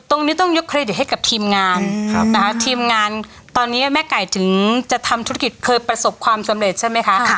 ตรงนี้ต้องยกเครดิตให้กับทีมงานนะคะทีมงานตอนนี้แม่ไก่ถึงจะทำธุรกิจเคยประสบความสำเร็จใช่ไหมคะ